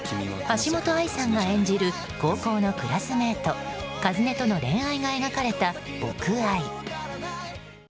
橋本愛さんが演じる高校のクラスメート、和音との恋愛が描かれた「僕愛」。